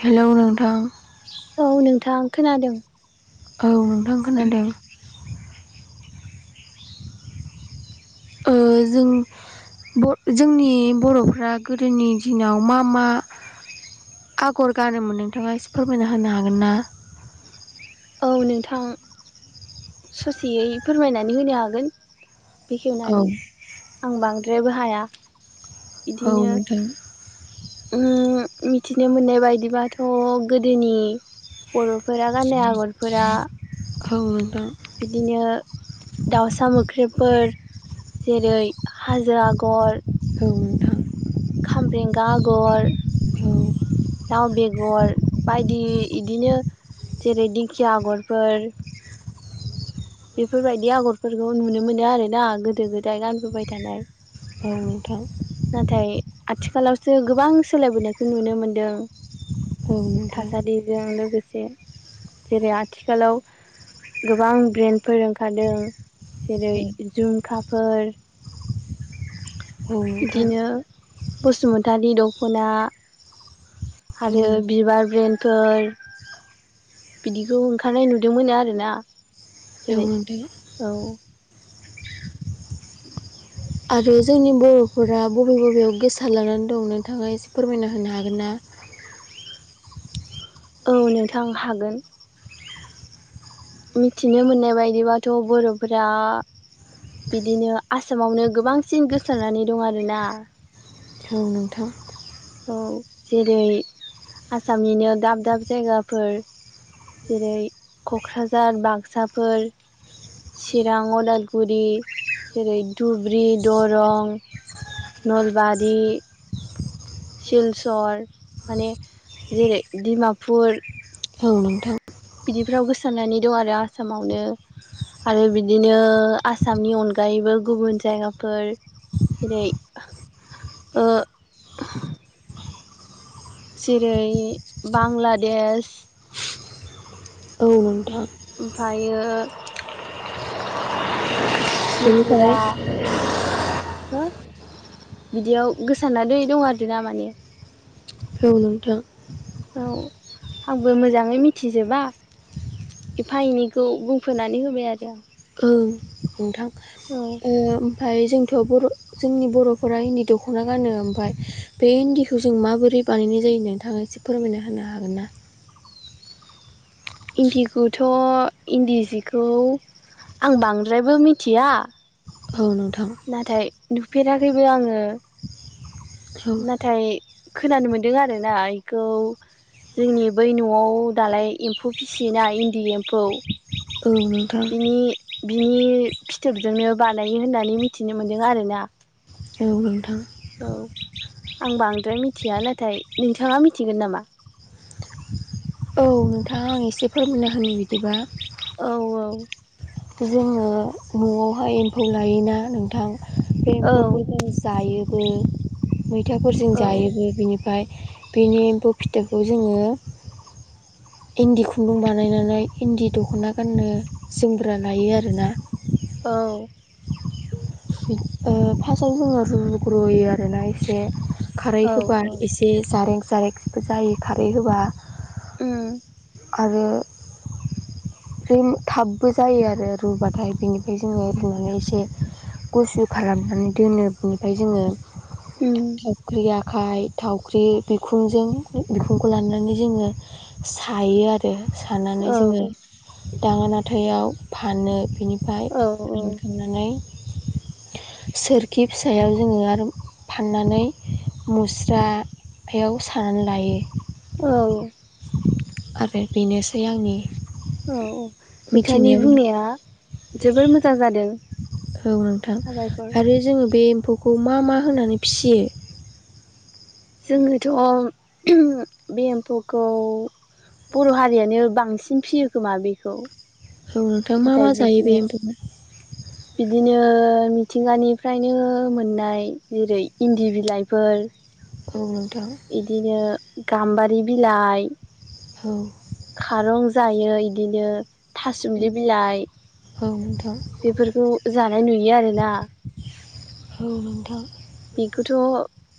Hello नोंथां। औ नोंथां खोनादों। औ नोंथां खोनादों। जों जोंनि बर'फोरा गोदोनि दिनाव मा मा। आगर गानोमोन नोंथाङा एसे फोरमायना होनो हागोन ना? औ नोंथां ससेयै फोरमायनानै होनो हागोन। औ बेखेवनानै आं बांद्रायबो हाया। औ बिदिनो नोंथां मिथिनो मोननाय बायदिबाथ' गोदोनि बर'फोरा गाननाय आगरफोरा [unintelligible] बिदिनो दाउसा मोख्रिबफोर जेरै हाजो आगर औ नोंथां खामब्रेंगा आगर औ लाउ बेगर बायदि इदिनो जेरै दिंखिया आगरफोर [inaudible] बेफोरबायदि आगरफोरखौ नुनो मोनो आरोना गोदो गोदाय गानबोबाय थानाय औ नोंथां नाथाय आथिखालावसो गोबां सोलायबोनायखौ नुनो मोनदों। थासारिजों लोगो लोगोसे जेरै आथिखालाव गोबां ब्रेन फोरोंखादों जेरै जुमखाफोर बिदिनो औ बसुमतारी दख'ना आरो औ बिबार ब्रेेनडफोर बिदिखौ ओंखारनाय नुदोंमोनो आरोना जेरै नोंथां औ आरो जोंनि बर'फोरा बबे बबेयाव गोसार लानानै दं नोंथाङा एसे फोरमायना होनो हागोन ना? [inaudible] औ नोंथां हागोन। मिथिनो मोननाय बायदिबाथ' बर'फोरा बिदिनो आसामावनो गोबांसिन गोसारनानै दं आरोना। औ नोंथां औ जेरै आसामनिनो दाब दाब जायगाफोर जेरै क'क्राझार बाक्साफोर चिरां अदालगुरि जेरै धुब्रि दरं नलबारि सिलचर माने जेरै डिमापुर आं नोंथां बिदिफ्राव गोसारानानै दं आरो आसामावनो आरो बिदिनो आसामनि अनगायैबो गुबुन जायगाफोर जेरै जेरै बांलादेश औ नोंथां ओमफायो [unintelligible] बेनिफ्राय रा बिदियाव गोसारानानै दं आरो ना माने औ नोंथां औ आंबो मोजाङै मिथिजोबा एफा एनैखौ बुंफोरनानै होबाय आरो आं औ नोंथां औ ओमफाय जों थ' बर' जोंनि बर'फोरा इन्दि दख'ना गानो ओमफाय बे इन्दिखौ जों माबोरै बानायनाय जायो। नोंथाङा एसे फोरमायना होनो हागोन ना? इन्दिखौथ' इन्दि जिखौ आं बांद्रायबो मिथिया औ नोंथां नाथाय नुफेराखैबो आङो नाथाय खोनानो मोनदों आरोना इखौ जोंनि बै न'आव दालाय एम्फौ फिसियोना इन्दि एम्फौ औ नोंथां बिनि बिनि फिथोबजोंनो बानायो होननानै मिथिनो मोन्दों आरोना। औ नोंथां औ आं बांद्राय मिथिया नाथाय नोंथाङा मिथिगोन नामा? औ नोंथांआं एसे फोरमायना होयो बिदिबा औ औ जोङो न'आवहाय एम्फौ लायोना नोंथां। बे औ एम्फौफोर जों जायोबो मैथाफोरजों औ जायोबो बिनिफ्राय बेनि एम्फौ फिथोबखौ जोङो इन्दि खुन्दुं बानायनानै इन्दि दख'ना गाननो जोमग्रा लायो आरोना औ फार्स्टआव जोङो रुजुग्रुयो आरोना एसे खारै औ होबा औ एसे जारेंख जारेंखबो जायो खारै होबा [unintelligible] आरो थाबबो जायो आरो रुबाथाय बेनिफ्राय जोङो रुनानै एसे गुसु खालामनानै दोनो बिनिफ्राय जोङो उम थावख्रिया आखाय थावख्रि बिखुंजों बिखुंखौ लानानै जोङो सायो आरो सानानै औ जोङो दाङा नाथायाव फानो बिनिफ्राय औ औ फानखांनानै सोरखि फिसायाव जोङो आरो फाननानै मुस्रायाव सानानै लायो औ आरो बेनोसै आंनि औ औ नोंथांनि मिथिनायाव बुंनाया जोबोर मोजां जादों औ नोंथां साबायखर आरो जोङो बे एम्फौखौ मा मा होनानै फिसियो जोङोथ' बे एम्फौखौ बर' हारियानो बांसिन फियो खोमा बेखौ औ नोंथां मा मा नाथाय जायो बे बिदिनो एम्फफ्रा बिदिनो मिथिंगानिफ्रायनो मोननाय जेरै इन्दि बिलाइफोर औ नोंथां बिदिनो गाम्बारि बिलाइ औ खारं जायो बिदिनो थासुमलि औ नोंथां बेफोरखौ जानाय नुयो आरोना औ नोंथां बेखौथ'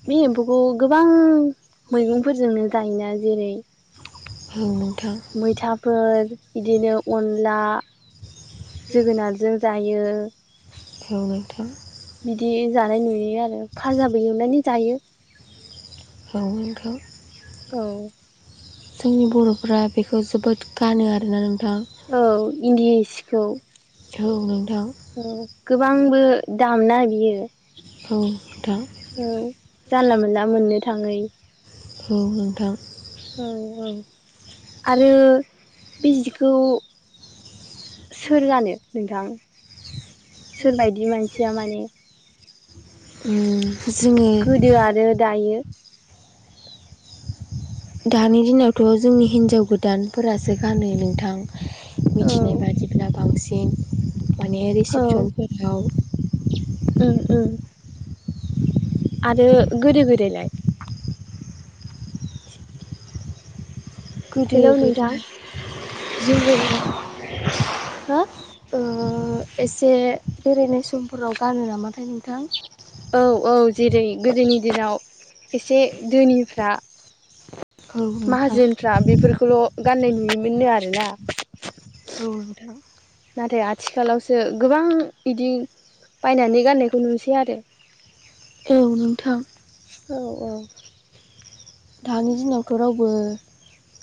बे एम्फौखौ गोबां मैगंफोरजोंनो जायोना जेरै औ नंगौ मैथाफोर बिदिनो अनला जोगोनारजों जायो औ नोंथां जायो बिदि जानाय नुयो आरो फाजाबो एवनानै जायो औ नंगौ औ जोंनि बर' फ्रा बेखौ जोबोद गानो आरोना नों औ इन्दिसिखौ औ नोंथां औ गोबां बो दामना बियो औ नोंथां औ जानला मोनला मोननो थाङै औ नोंथां औ औ आरो बे जिखौ सोर गानो नोंथां सोरबायदि मानसिया माने जोङो गोदो आरो दायो दानि दिनावथ' जोंनि हिनजाव गोदानफोरासो गानो नोंथां औ मिथिनाय बादिब्ला बांसिन माने रिसिपसनफोराव ओम ओम आरो गोदो गोदायलाय गोदो हेलौ नोंथां गोदाय जोङो हो एसे बेरायनाय समफोराव गानो नामाथाय नोंथां औ औ जेरै गोदोनि दिनाव एसे धोनिफ्रा औ नोंथां माहाजोनफ्रा बेफोरखौल' गाननाय नुयोमोननो आरोना औ नोंथां नाथाय आथिखालावसो गोबां बिदि बायनानै गाननायखौ नुसै आरो औ नोंथां। औ औ दानि दिनावथ' रावबो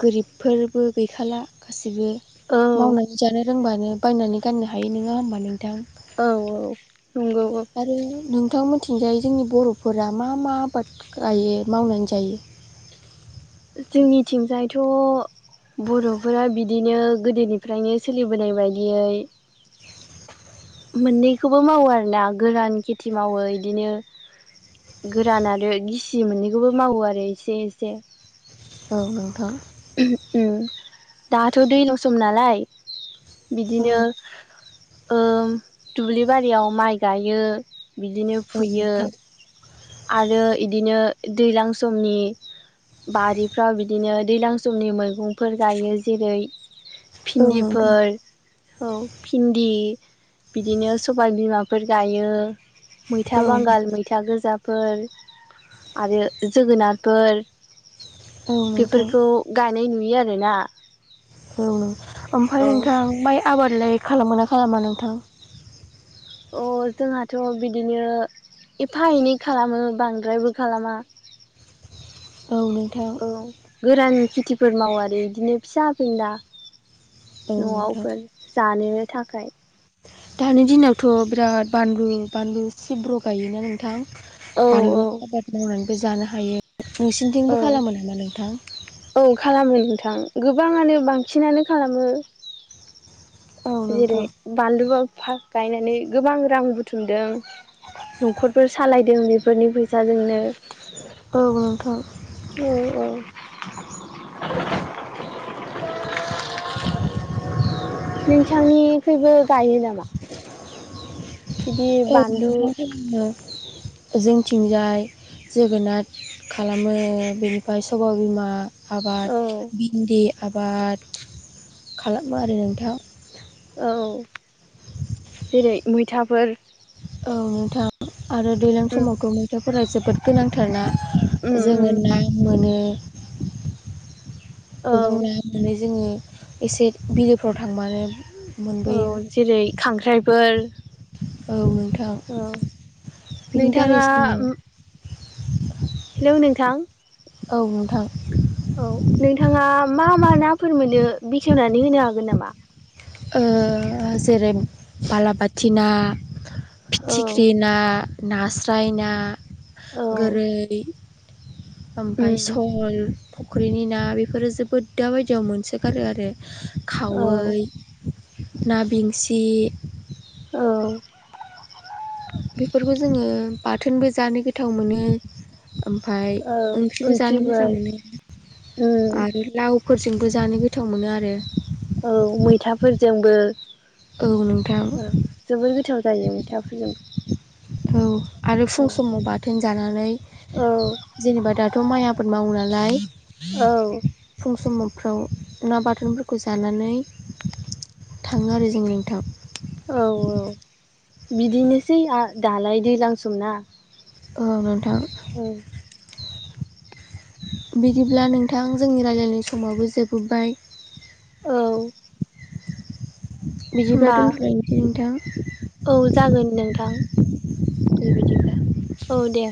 गोरिबफोरबो गैखाला गासिबो औ मावनानै जानो रोंबानो बायनानै गाननो हायो नङा होमबा नोंथां। औ औ। नंगौ औ आरो नों नोंथा मोननि थिंजाय जोंनि बर'फोरा मा-मा आबाद गायो मावनानै जायो। जोंनिथिंजायथ' बर'फोरा बिदिनो गोदोनिफ्रायनो सोलिबोनाय बायदियै [inaudible] मोननैखौबो मावो आरोना गोरान खेथि मावो बिदिनो। गोरान आरो गिसि मोननैखौबो मावो आरो एसे एसे औ नोंथां। उम दाथ' दैल' सम नालाय औ बिदिनो दुब्लि बारियाव माइ गायो बिदिनो औ फुयो नोंथां आरो इदिनो दैज्लां समनि बारिफ्राव बिदिनो दैलां समनि मैगंफोर गायो जेरै औ नोंथां भिन्दिफोर औ भिन्दि बिदिनो सबाय बिमाफोर गायो मैथा औ बांगाल मैथा गोजा फोर आरो जोगोनारफोर औ नोंथां बेफोरखौ गायनाय नुयो आरोना औ नो ओमफ्राय औ नोंथां माइ आबादलाय खालामोना खा खालामा नोंथां। अ जोंहाथ' बिदिनो एफा एनै खालामो बांद्रायबो खालामा औ नोंथां औ गोरान खेथिफोर माव आरो। बिदिनो फिसा फेनला नोंथां न'आवफोर जानोनो थाखाय‌। दानि दिनावथ' बिराद बानलु बानलु सिब्र' गायोना नोंथां। औ औ बानलु आबाद मावनानैबो जानो हायो। नोंसिनिथिंबो औ खालामो नामा नोंथां औ खालामो नोंथां गोबाङानो बांसिनानो खालामो। औ जेरै नोंथां बानलुआ गायनानै गोबां रां बुथुमदों न'खरफोर सालायदों बेफोरनि फैसाजोंनो औ नोंथां। औ नोंथांनिखैबो गायो नामा? बिदि औ बानलु [unintelligible] जोंथिंजाय जोगोनाथ खालामो बेनिफ्राय सबाइ बिमा औ आबाद भिन्दि आबाद खालामो आरो नोंथां। औ। जेरै मैथाफोर औ नोंथां आरो दैज्लां उम समावथ मैथाफोरा जोबोद गोनांथारना उम जोङो उम ना मोनो। औ गोबां ना मोनो जोङो एसे बिलोफ्राव थांबानो औ मोनबोयो जेरै खांख्राइफोर। औ नोंथां औ बिनि दारै नोंथाङा जोङो हेलौ नोंथां औ नोंथां औ नोंथाङा। मा-मा नाफोर मोनो बेखेवनानै होनो हागोन नामा? ओ जेरै बालाबाथि ना औ फिथिख्रि ना नास्राय ना औ गोरै ओमफाय उम सल फुख्रिनि ना बेफोरो जोबोद दाबायदियाव मोनसोगारो आरो। औ खावै ना बेंसि औ बेफोरखौ जोङो बाथोनबो जानो गोथाव मोनो। ओमफाय औ ओंख्रिबो जानो मोजां ओंख्रिफोर मोनो उम आरो लाव फोरजोंबो जानो गोथाव मोनो आरो। औ मैथाफोरजोंबो औ जोबोर गोथाव जायो मैथाफोरजों औ आरो फुं समाव बाथोन जानानै औ जेनेबा दा थ' माइ आबाद मावो नालाय औ फुं समाव माव ना बाथोनफोरखौ जानानै थाङो आरो जों नोंथाव औ औ बिदिनोसै दालाय दैज्लां समना औ नोंथां औ बिदिब्ला नोंथां जोंनि रायलायनाय समावबो जोबोबाय औ बिदिबा होमबा दोनथ'नोसै नोंथां औ जागोन नोंथां दे बिदिब्ला औ दे